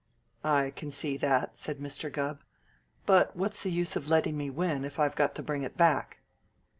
"I can see that," said Mr. Gubb; "but what's the use lettin' me win it if I've got to bring it back?"